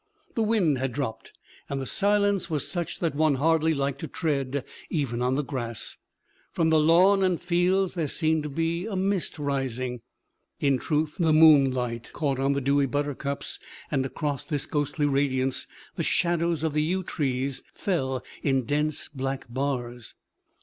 The wind had dropped, and the silence was such that one hardly liked to tread even on the grass. From the lawn and fields there seemed to be a mist rising in truth, the moonlight caught on the dewy buttercups; and across this ghostly radiance the shadows of the yew trees fell in dense black bars.